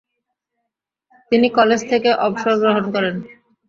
তিনি কলেজ থেকে অবসর গ্রহণ করেন।